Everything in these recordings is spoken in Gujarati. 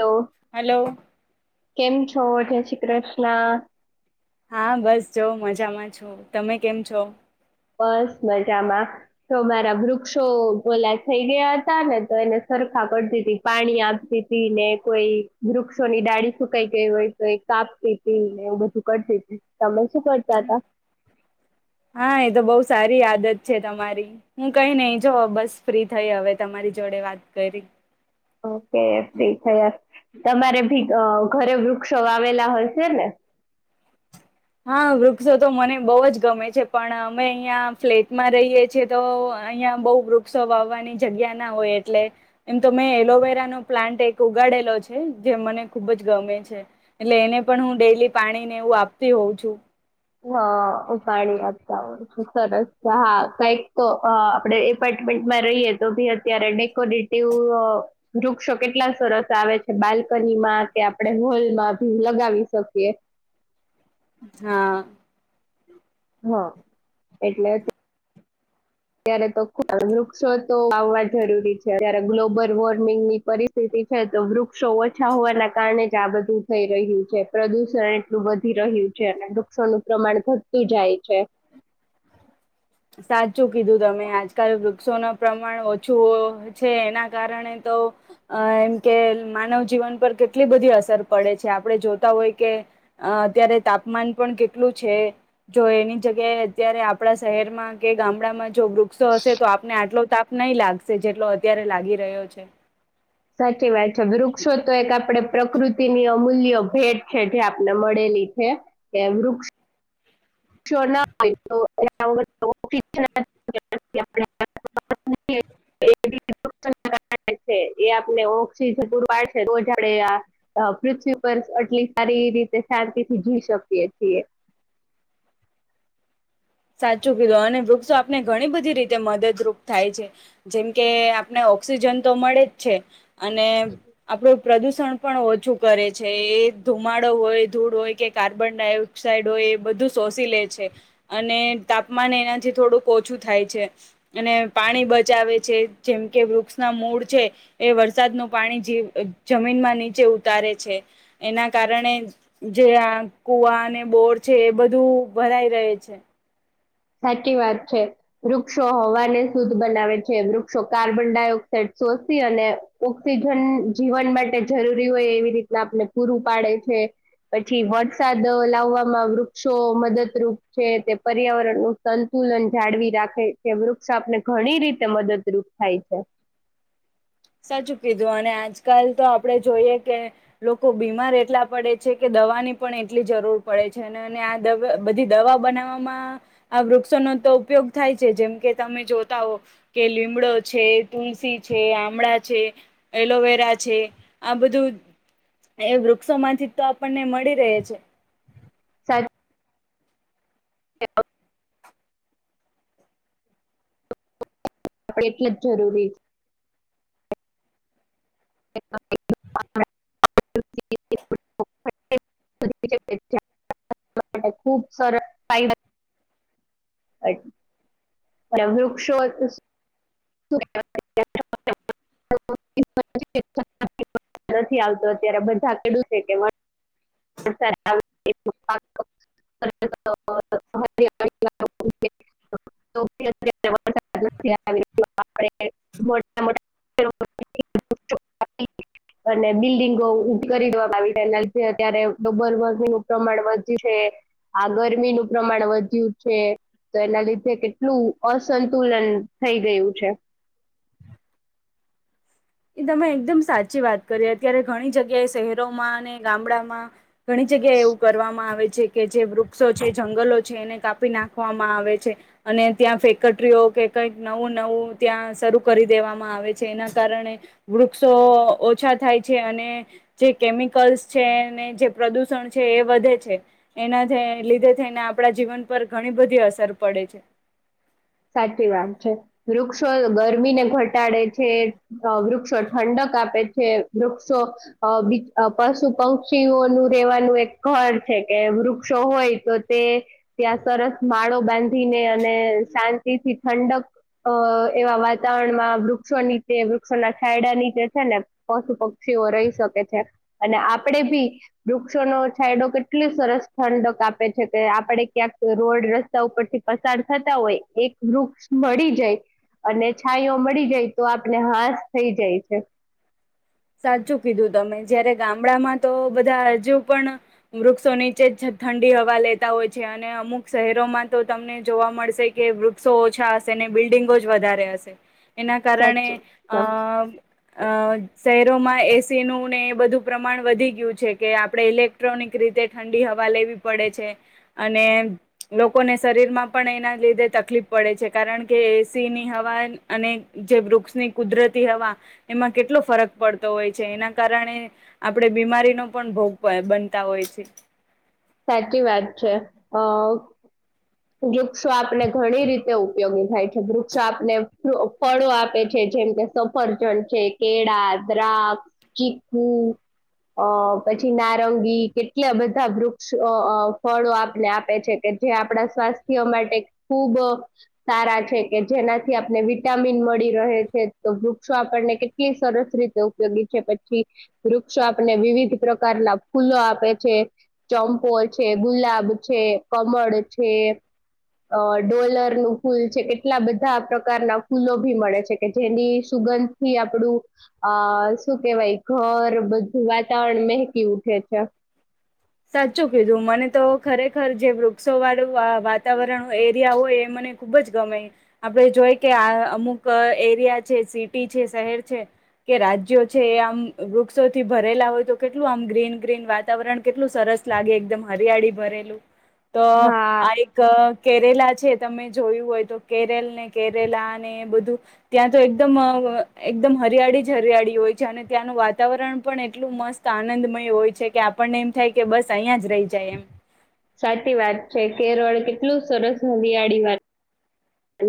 તો હલો કેમ છો જય શ્રી કૃષ્ણ હા બસ જો મજામાં છું તમે કેમ છો? બસ મજામાં જો મારા વૃક્ષો ઓલા થઈ ગયા હતા ને તો એને સરખા ખા કરતી તી પાણી આપતી ને કોઈ વૃક્ષોની ડાળી સુકાઈ ગઈ હોય તો કાપ [unintelligible] ને એવું બધું કરતી હતી તમે શું કરતા હતા? હા એ તો બહુ સારી આદત છે તમારી હું કઈ નહી જો બસ ફ્રી થઈ હવે તમારી જોડે વાત કરી ઓકે ફ્રી થયા તમારે ભી અ ઘરે વૃક્ષો વાવેલા હોય છે ને હા વૃક્ષો તો મને બહુ જ ગમે છે પણ અમે અહિયાં ફ્લેટમાં રહીએ છીએ તો અહીંયા બવ વૃક્ષો વાવાની જગ્યા ના હોય એટલે એમ તો મેં એલોવેરા નો પ્લાન્ટ એક ગાડેલો છે જે મને ખુબ જ ગમે છે એટલે એને પણ હું ડેલી પાણી ને એવું આપ તી હોઉં છું. હ હું પાણી આપવા હોય છુ સરસ છે હા કઈક તો આપડે એ પ રહીએ તો ભી અત્યારે ડેકોરેટિવ વૃક્ષો કેટલા સરસ આવે છે બાલ કની માં કે આપડે હોલ માં ભી લગાવી શકીએ. હા હા એટલે ત્યારે તો ખ વૃક્ષો તો વાવવા જરૂરી છે અત્યારે ગ્લોબલ વોર્મિંગ ની પરિસ્થિતિ છે તો વૃક્ષો ઓછા હોવાના કારણે જ આ બધું થઈ રહ્યું છે પ્રદૂષણ એટલું વધી રહ્યું વૃક્ષોનું પ્રમાણ ઘટટી જાય છે. સાચું કીધું તમે આજકાલ વૃક્ષોના પ્રમાણ ઓછું છે એના કારણે તો એમ કે માનવ જીવન પર કેટલી બધી અસર પડે છે આપણે જોતા હોય કે અત્યારે તાપમાન પણ કેટલું છે. જો એની જગ્યાએ અત્યારે આપડા શહેરમાં કે ગામડામાં જો વૃક્ષો હશે તો આપને આટલો તાપ નહી લાગશે જેટલો અત્યારે લાગી રહ્યો છે. સાચી વાત છે વૃક્ષો તો એક આપડે પ્રકૃતિની અમૂલ્ય ભેટ છે જે આપને મળેલી છે એ વૃક્ષ [unintelligible] [unintelligible] એ આપને ઓક્સિજન પૂરડશે તો જ આપડે આ પૃથ્વી પરર આટલી સારી એ રીતે શાંતિ થી જોઈ શકીએ છીએ સાચું કિલો અને વૃક્ષો આપને ઘણી બધી તે મદદરૂપ થાય છે જેમકે આપને ઓક્સિજન તો મળે જ છે. અને આપણો પ્રદુષણ પણ ઓછું કરે છે એ ધુમાડો હોય ધૂળ હોય કે કાર્બન ડાયોક્સાઇડ હોય એ બધું શોષી લે છે. અને તાપમાન એનાથી થોડુંક ઓછું થાય છે અને પાણી બચાવે છે જેમ કે વૃક્ષના મૂળ છે એ વરસાદનું પાણી જ જમીનમાં નીચે ઉતારે છે. એના કારણે જે કુવા અને બોર છે એ બધું ભરાઈ રહે છે. સાચી વાત છે વૃક્ષો હવાને શુદ્ધ બનાવે છે વૃક્ષો કાર્બન ડાયોક્સાઇડ શોષી અને ઓક્સિજન જીવન માટે જરૂરી હોય એવી રીતના આપને પૂરું પાડે છે. પછી વરસાદ લાવવામાં વૃક્ષો મદદરૂપ છે તે પર્યાવરણ સંતુલન જાળવી રાખે છે વૃક્ષ આપને ઘણી રીતે મદદરૂપ થાય છે. [inaudible] સાચું કીધું અને આજકાલ તો આપડે જોઈએ કે લોકો બીમાર એટલા પડે છે કે દ દવાની પણ એટલી જરૂર પડે છે અને આ બધી દવા બનાવવામાં આ વૃક્ષોનો તો ઉપયોગ થાય છે જેમ કે તમે જોતા હો કે લીમડો છે તુલસી છે આ ગામડા છે એલોવેરા છે આ બધું એ વૃક્ષો માંથી તો આપણને મળી રહે છે. [unintelligible] [inaudible] આપણે એટલે જ જરૂરી [inaudible] [inaudible] ખુબ સરસ અ વૃક્ષો [inaudible] નથી આવતો અત્યારે બધા કેડું છે કે. [inaudible] [inaudible] [inaudible] [unintelligible] મોટા મોટા [inaudible] અને બિલ્ડિંગો ઉભી કરી દેવામાં આવીનાલ છે અત્યારે ડબલ વોર્મિંગું પ્રમાણ વધ્યું આ ગરમીનું પ્રમાણ વધ્યું છે. તો એના લીધે કેટલું અસંતુલન થઈ ગયું છે. એ તમે એકદમ સાચી વાત કરી અત્યારે ઘણી જગ્યાએ શહેરોમાં અને ગામડામાં ઘણી જગ્યાએ એવું કરવામાં આવે છે. કે જે વૃક્ષો છે જંગલો છે એને કાપી નાખવામાં આવે છે અને ત્યાં ફેકટરીઓ કે કઈક નવું નવું ત્યાં શરૂ કરી દેવામાં આવે છે એના કારણે વૃક્ષો ઓછા થાય છે, અને જે કેમિકલ્સ છે જે પ્રદુષણ છે એ વધે છે એનાથી લીધે થઈને આપણા જીવન પર ઘણી બધી અસર પડે છે, [unintelligible] સાચી વાત છે વૃક્ષો ગરમી ને ઘટાડે છે વૃક્ષો ઠંડક આપે છે વૃક્ષો પશુ પક્ષીઓ નું રેવાનું એક ઘળ છે કે વૃક્ષો હોય તો તે ત્યાં સરસ માળો બાંધીને અને શા તેથી ઠંડક અ એવા વાતાવરણમાં વૃક્ષો નીચે વૃક્ષોના ખાયડા નીચે છે, ને પશુ પક્ષીઓ રહી શકે છે, અને આપડે ભી વૃક્ષો નો છાયડો કેટલી સરસ ઠંડકાપે છે, કે આપડે ક્યાંક રોડ રસ્તા ઉપર થી પસાર થતા હોય, એક વૃક્ષ મળી જાય, અને છાઈઓ મળી જાય તો આપણે હાસ થઈ જાય છે, સાચું કીધું તમે જયારે ગામડામાં તો બધા હજુ પણ વૃક્ષો નીચે જ ઠંડી હવા લેતા હોય છે, અને અમુક શહેરોમાં તો તમને જોવા મળશે કે વૃક્ષો ઓછા હશે, બિલ્ડિંગો જ વધારે હશે એના કારણે સાચું એસીનું ને એ બધું પ્રમાણ વધી ગયું છે કે આપણે ઇલેક્ટ્રોનિક રીતે ઠંડી હવા લઈ પડે છે, અને લોકોને શરીરમાં પણ એના લીધે તકલીફ પડે છે, કારણ કે એસીની હવા અને જે વૃક્ષની કુદરતી હવા એમાં કેટલો ફરક પડતો હોય છે એના કારણે આપણેે બીમારીનો પણ ભોગ બનતા હોય છે, સાચી વાત છે અ વૃક્ષો આપને ઘણી રીતે ઉપયોગી થાય છે વૃક્ષો આપને ફળો આપે છે. જેમ કે સફરજન છે કેળા દ્રાક્ષ ચીકુ અ પછી નારંગી કેટલા બધા વૃક્ષ ફળો આપણે આપે છે, કે જે આપણા સ્વાસ્થ્ય માટે ખુબ છે કે જેનાથી આપને વિટામિન મળી રહે છે તો વૃક્ષો આપણને કેટલી સરસ રીતે ઉપયોગી છે પછી વૃક્ષો આપને વિવિધ પ્રકારના ફૂલો આપે છે, ચંપો છે ગુલાબ છે કમળ છે, અ ડોલર નું ફૂલ છે કેટલા બધા પ્રકારના ફૂલો ભી મળે છે કે જેની સુગંધથી આપડું આ શું કેવાય ઘર બધું વાતાવરણ મહેકી ઉઠે છે, [unintelligible] સાચું કીધું મને તો ખરેખ જે વૃક્ષો વાળું વાતાવરણ એરિયા હોય એ મને ખુબ જ ગમે આપડે જોઈ કે અમુક એરિયા છે સિટી છે શહેર છે, કે રાજ્યો છે એ આમ વૃક્ષોથી ભરેલા હોય તો કેટલું આમ ગ્રીન ગ્રીન વાતાવરણ કેટલું સરસ લાગે એકદમ હરિયાળી ભરેલું તો હા આ એક કેરેલા તમે જોયું હોય તો કેરલ ને કેરેલા ને બધું ત્યાં તો એકદમ એકદમ હરિયાળી જ હરિયાળી હોય છે, અને ત્યાંનું વાતાવરણ પણ એટલું મસ્ત આનંદમય હોય છે કે આપણનેમ થાય કે બસ અહીિયાં જ રહી જાય એમ, સાચી વાત છે, કેરળ કેટલું સરસ મંગિયાળી વાત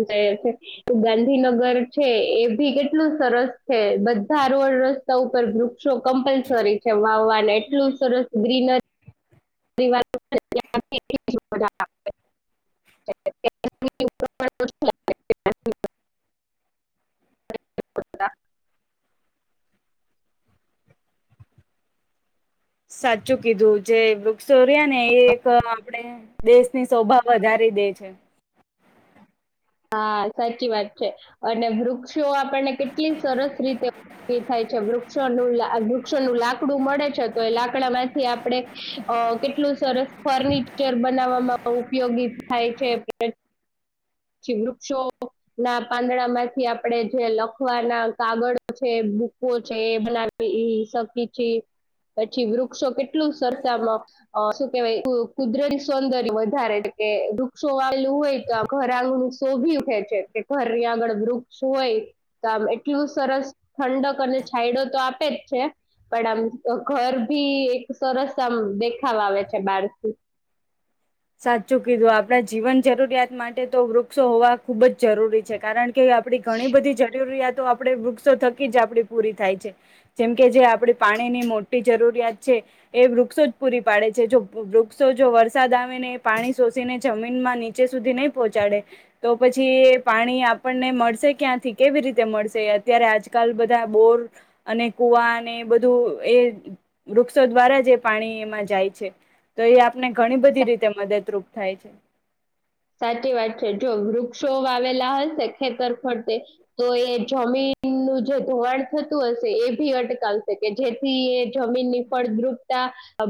છે ગાંધીનગર છે એ ભી કેટલું સરસ છે બધા રસ્તા ઉપર વૃક્ષો કમ્પલસરી છે, વાવવાને એટલું સરસ ગ્રીનરી પરિવાર [unintelligible] [unintelligible] સાચું કીધું જે વૃક્ષોરિયા ને એ એક આપણે દેશની શોભા વધારે દે છે, હા સાચી વાત છે, અને ભૃક્ષ વૃક્ષ આપણને કેટલી સરસ રીતે ઉપયોગી થાય છે, વૃક્ષ વું વૃક્ષ નું લાકડું મળે, લાકડા માંથી આપણે કેટલું સરસ ફર્નિચર બનાવવામાં ઉપયોગ ગીત થાય છે એ પછી, વૃક્ષો ના પાંદડા માંથી આપણેે જે લખવાના કાગળો છે. બૂકો છે, એ બનાવી શકી છે. પછી વૃક્ષો, કેટલું સરતામાં શું કેવાય કુદરતી સૌંદર્ય વધારે કે વૃક્ષો વાયલું હોય, તો ઘર આંગણું શોભી ઉઠે છે, કે ઘર આગળ વૃક્ષ હોય, તો આમ એટલું સરસ ઠંડક અને છાયડો, તો આપે જ છે. પણ આમ ઘર ભી એક સરસ આમ દેખાવા આવે છે, બારથી સાચું કીધું આપડા જીવન જરૂરિયાત માટે તો વૃક્ષો હોવા ખુબજ જરૂરી છે, કારણ કે આપડી ઘણી, બધી જરૂરિયાત તો આપે વૃક્ષો થકી જ આપડી પૂરી થાય છે, જેમ કે જે આપડી પાણી ની મોટી જરૂરિયાત છે. એ વૃક્ષો જ પૂરી પાડે છે, જો વૃક્ષો જો વરસાદ આવે પાણી સોષીને જમીનમાં નીચે સુધી નહીં, પહોંચાડે તો પછી પાણી આપણને મળશે ક્યાંથી કેવી રીતે મળશે અત્યારે આજકાલ બધા બોર અને કુવાને બધું. એ વૃક્ષો દ્વારા જે પાણી એમાં જાય છે. તો એ આપને ઘણી, બધી રીતે મદદરૂપ થાય છે. સાચી વાત છે, જો વરુ શો આવેલા હશે, ખેતર ફરતે તો એ જમીનનું જે ધોવાણ થતું, હશે એ ભી અટકાવશે કે જેથી, એ જમીનની ફળદ્રુપતા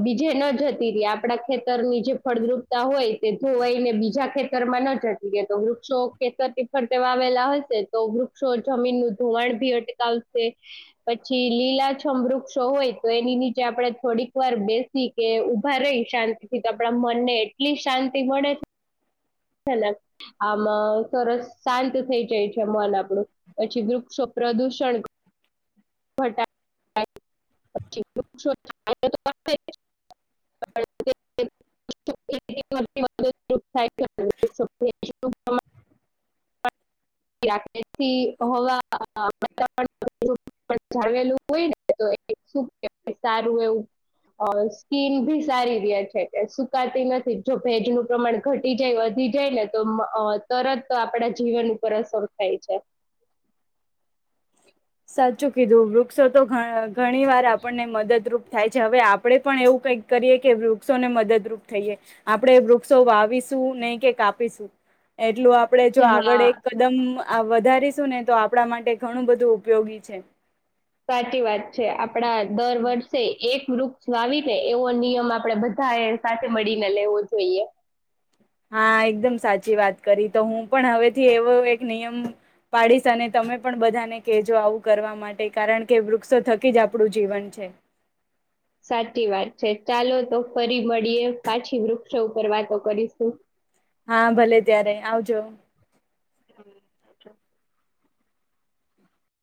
બીજે ન જતી રહે આપણા ખેતરની જે ફળદ્રુપતા હોય, તે ધોવાઈ ને બીજા ખેતરમાં ન જટ, તો વૃક્ષો ખેતરફર આવેલા હશે, તો વૃક્ષો જમીન નું ધ વણ ભી અટકાવશે પછી લીલા છમ વૃક્ષો હોય, તો એની નીચે આપણે થોડીક વાર બેસી કે ઉભા રહી, શાંતિથી તો આપણા મનને એટલી શાંતિ મળે લા આમાં સરસ શાંત થઈ જાય છે, મન આપણું પછી વૃક્ષો પ્રદૂષણ હટા [inaudible] [inaudible] [inaudible] પણ જાાવલું હોય, ને શું સારું એવું. સ્કીન ભી સારી રહ્યા છે, સુકાતી નથી, જો ભેજનું પ્રમાણ ઘટી જાય વધી જાય, ને તો તરત આપડા જીવન ઉપર અસર થાય છે. સાચું કીધું વૃક્ષો, તો ઘણી વાર આપણને મદદરૂપ થાય છે, હવે આપણેે પણ એવું કઈક કરીએ કે વૃક્ષોને, મદદરૂપ થઈએ, આપણેે વૃક્ષો વાવીસ શું નહી, કે કાપીશું એટલું આપણે, જો હા આગળ એક કદમ વધારીશું ને તો આપણા માટે ઘણું, બધું ઉપયોગી છે. સાચી વાત છે, આપડા દર વર્ષે એક વૃક્ષ લાવી, ને એવો નિયમ આપડે બધા ધાયે સાથે, મળીને લેવો જોઈએ હા, એકદમ સાચી વાત કરી તો હું, પણ હવેથી એવો એક નિયમ પાડીશ. અને તમે પણ બધાને કેજો આવું કરવા માટે ટે કારણ કે વૃક્ષો થકી, જ આપણું જીવન છે. [inaudible] સાચી વાત છે, ચાલો તો ફરી મળીએ પાછી વૃક્ષો ઉપર વાતો કરીશું હા, ભલે ત્યારે આવજો હમ